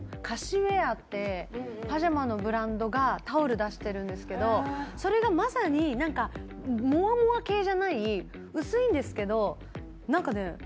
カシウェアってパジャマのブランドがタオル出してるんですけどそれがまさにモワモワ系じゃない薄いんですけどなんかね